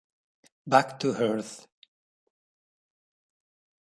Back to Earth